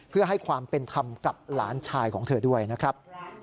เพื่อให้ความเป็นธรรมกับหลานชายของเธอด้วยนะครับ